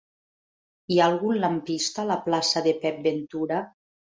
Hi ha algun lampista a la plaça de Pep Ventura?